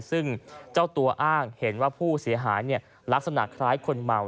ซึ่งเจ้าตัวอ้างเห็นว่าผู้เสียหายลักษณะคล้ายคนเมา